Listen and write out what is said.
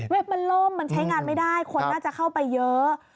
มันล่มมันใช้งานไม่ได้คนน่าจะเข้าไปเยอะ